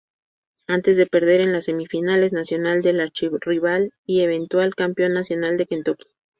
Antes de perder en las semifinales nacional del archirrival y eventual campeón nacional Kentucky.